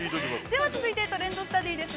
◆では、続いて「トレンドスタディ」です。